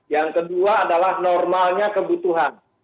yang kedua adalah normalnya kebutuhan